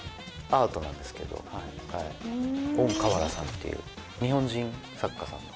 温河原さんっていう日本人作家さんの。